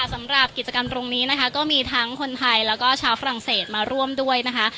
สำหรับกิจกรรมตรงนี้นะคะก็มีทั้งคนไทยแล้วก็ชาวฝรั่งเศสมาร่วมด้วยนะคะ